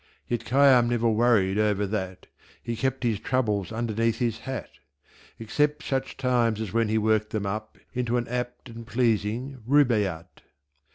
Yet Khayyam never worried over that He kept his Troubles underneath his Hat Except such Times as when he worked them up Into an Apt and Pleasing Rubaiyat.